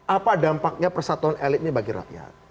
apa dampaknya persatuan elit ini bagi rakyat